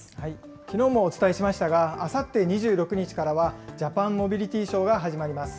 きのうもお伝えしましたが、あさって２６日からは、ジャパンモビリティショーが始まります。